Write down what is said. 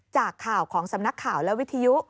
จากข่าวของสำนักข่าวและวิทยุ